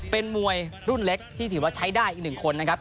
เป็นมวยรุ่นเล็กที่ถือว่าใช้ได้อีกหนึ่งคนนะครับ